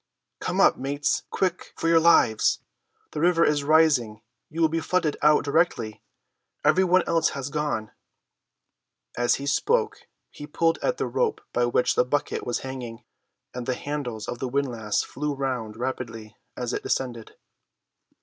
"Come up, mates; quick, for your lives! The river is rising; you will be flooded out directly. Every one else has gone!" As he spoke he pulled at the rope by which the bucket was hanging, and the handles of the windlass flew round rapidly as it descended.